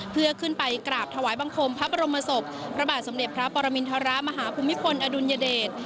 เพื่อขึ้นไปกราบถวายบังคมพระบรมศพพระบาทสมเด็จพระปรมินทรมาฮภูมิพลอดุลยเดช